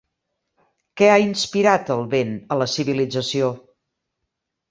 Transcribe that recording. Què ha inspirat el vent a la civilització?